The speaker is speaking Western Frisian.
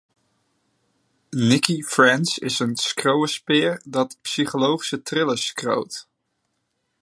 Nicci French is in skriuwerspear dat psychologyske thrillers skriuwt.